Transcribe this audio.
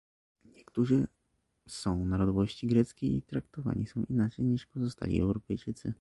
Niektórzy są narodowości greckiej i traktowani są inaczej niż pozostali Europejczycy